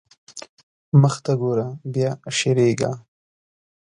مخته ګوره بيا شېرېږا.